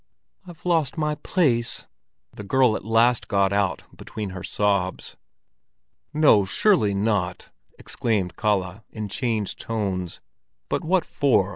"I've lost my place," the girl at last got out between her sobs. "No, surely not!" exclaimed Kalle, in changed tones. "But what for?